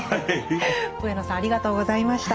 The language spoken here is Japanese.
上野さんありがとうございました。